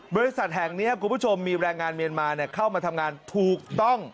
บริษัทแห่งนี้คุณผู้ชมมีแรงงานเมียนมาเข้ามาทำงานถูกต้อง